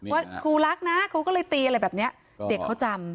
ว่าครูรักนะครูก็เลยตีอะไรแบบนี้เด็กเขาจำ